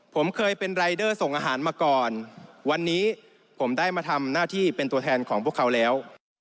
ผมเคยเป็นรายเดอร์ส่งอาหารมาก่อนวันนี้ผมได้มาทำหน้าที่เป็นตัวแทนของพวกเขาแล้ว